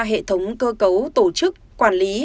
hệ thống cơ cấu tổ chức quản lý